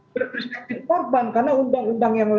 berperspektif korban karena undang undang yang